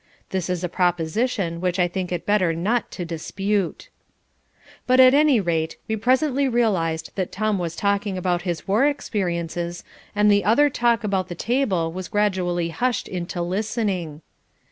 This is a proposition which I think it better not to dispute. But at any rate we presently realized that Tom was talking about his war experiences and the other talk about the table was gradually hushed into listening.